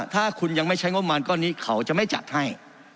ถ้าคุณยังไม่ใช้งบประมาณก้อนนี้เขาจะไม่จัดให้